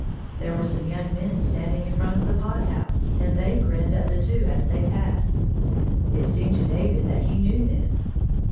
There were some young men standing in front of the pot house, and they grinned at the two as they passed. It seemed to David that he knew them.